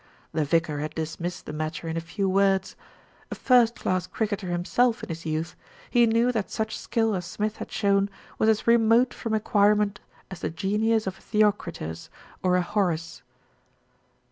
The vicar had dismissed the matter in a few words. A first class cricketer himself in his youth, he knew that such skill as Smith had shown was as remote from acquirement as the genius of a Theocritus, or a Horace.